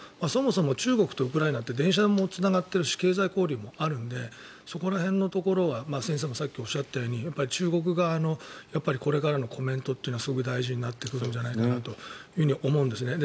そもそも中国とウクライナって電車もつながってるし経済交流もあるのでそこら辺のところは先生もさっきおっしゃったように中国側のこれからのコメントというのはすごく大事になってくるんだと思うんです。